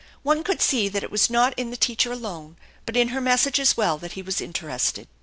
One could see that it was not in the teacher alone, but in her message as well, that he was interested.